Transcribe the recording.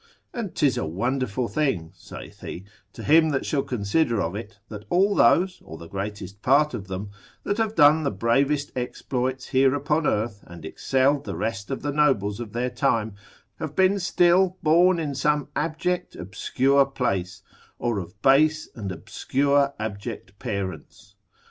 And 'tis a wonderful thing ( saith he) to him that shall consider of it, that all those, or the greatest part of them, that have done the bravest exploits here upon earth, and excelled the rest of the nobles of their time, have been still born in some abject, obscure place, or of base and obscure abject parents.